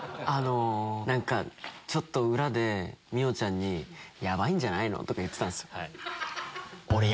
裏で美桜ちゃんにヤバいんじゃないの？とか言ってたんですよ。